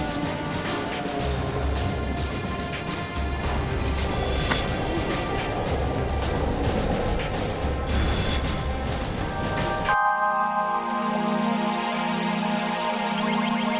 terima kasih atas dukunganmu